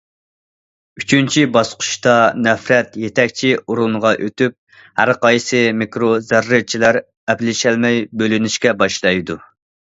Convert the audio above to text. ئۈچىنچى باسقۇچتا نەپرەت يېتەكچى ئورۇنغا ئۆتۈپ، ھەرقايسى مىكرو زەررىچىلەر ئەپلىشەلمەي بۆلۈنۈشكە باشلايدۇ.